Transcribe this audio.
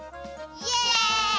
イエイ！